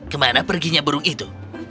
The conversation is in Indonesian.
kemana perginya burung itu